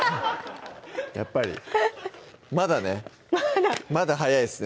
やっぱりまだねまだ早いですね